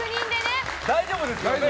大丈夫ですよね？